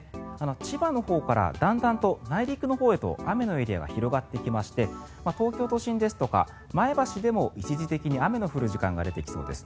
千葉のほうからだんだんと内陸のほうへと雨のエリアが広がってきまして東京都心ですとか前橋でも一時的に雨の降る時間が出てきそうです。